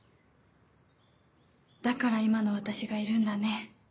だから今の私がいるんだね。